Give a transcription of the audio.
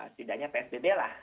setidaknya psbb lah